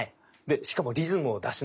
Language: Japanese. しかもリズムを出しながら。